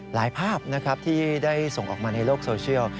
ภาพนะครับที่ได้ส่งออกมาในโลกโซเชียล